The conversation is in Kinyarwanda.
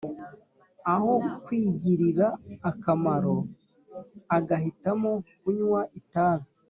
Aho kwigirira akamaro, agahitamo kunywa itabi